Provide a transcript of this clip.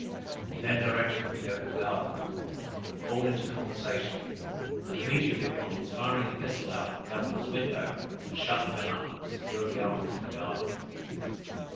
He then directed them to go into the guard room, and fall into conversation, and immediately upon his firing a pistol out of the governor's window, to shut the men up, and secure the arms in the guard room.